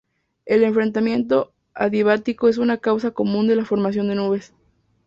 El enfriamiento adiabático es una causa común de la formación de nubes.